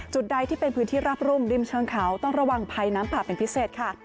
ใดที่เป็นพื้นที่ราบรุ่มริมเชิงเขาต้องระวังภัยน้ำผ่าเป็นพิเศษค่ะ